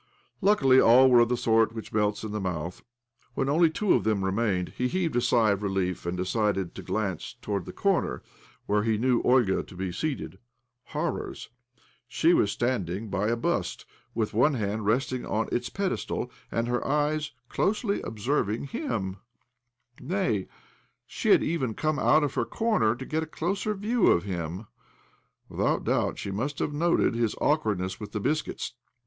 Luckily all were of the sort which melts in the mouth. When only two of theni remained he heaved a sigh of relief, and' decided to glance towards the comer where he knew Olga to be seated. Horrors I She was standing by a bust, with one hand resting on its pedestal, and '^ler eyes closely observing him 1 Nay, she had even come out of her corner to get a closer view of him I Without doubt she must have noted his awkwardness with the biscuits